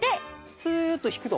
スーッと引くと。